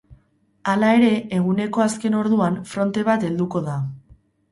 Hala ere, eguneko azken orduan fronte bat helduko da.